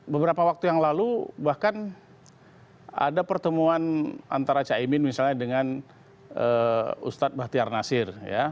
beberapa waktu yang lalu bahkan ada pertemuan antara caimin misalnya dengan ustadz bahtiar nasir